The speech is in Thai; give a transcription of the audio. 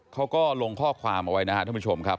เขาก็ลงข้อความเอาไว้นะครับท่านผู้ชมครับ